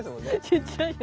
ちっちゃいよね。